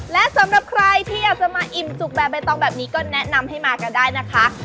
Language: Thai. และสำหรับใครที่อยากจะมาอิ่มจุกแบบใบตองแบบนี้ก็แนะนำให้มากันได้นะคะ